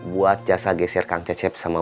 buat jasa geser kang darman